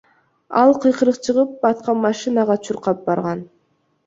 Ал кыйкырык чыгып аткан машинага чуркап барган.